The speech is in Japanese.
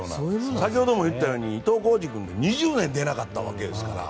先ほど言ったように伊東浩司君から２０年出なかったわけですから。